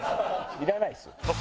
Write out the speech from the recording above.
いらないです。